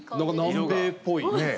南米っぽい。